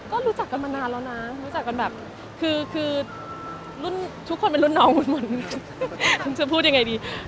ก็รู้จักกันมานานแล้วนะรู้จักกันแบบคือรุ่นทุกคนเป็นรุ่นน้องคุณจะพูดยังไงดี